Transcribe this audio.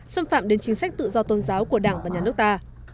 xâm phạm đến chính sách tự do tôn giáo của đảng và nhà nước ta